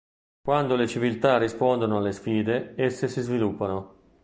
Quando le civiltà rispondono alle sfide, esse si sviluppano.